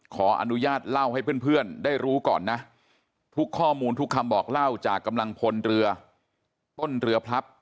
ขออนุญาตเล่าให้เพื่อนได้รู้ก่อนนะทุกข้อมูลทุกคำบอกเล่าจากกำลังพลเรือต้นเรือพลับ